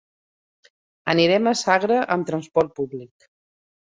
Anirem a Sagra amb transport públic.